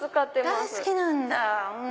大好きなんだ！